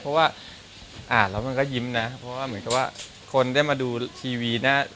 เพราะว่าอ่านแล้วมันก็ยิ้มนะเพราะว่าเหมือนกับว่าคนได้มาดูทีวีนะ